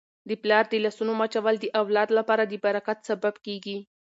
د پلار د لاسونو مچول د اولاد لپاره د برکت سبب کیږي.